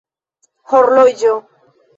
horloĝo